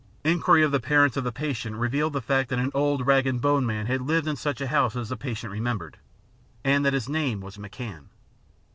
Inquiry of the parents of the patient revealed the fact that an old rag and bone man had lived in such a house as the patient remembered, and that his name was McCann.